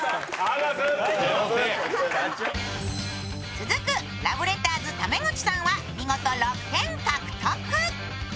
続くラブレターズ溜口さんは見事６点獲得。